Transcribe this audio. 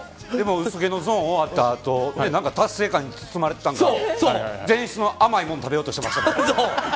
でも薄毛のゾーン終わったあと達成感に包まれてたのか前室の甘いもの食べようとしていました。